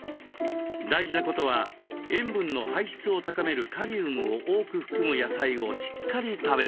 大事なことは塩分の排出を高めるカリウムを多く含む野菜をしっかり食べること。